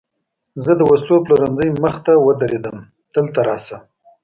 زه د وسلو پلورنځۍ مخې ته ودرېدم، دلته راشه.